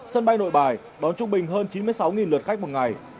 sân bay nội bài đón trung bình hơn chín mươi sáu lượt khách một ngày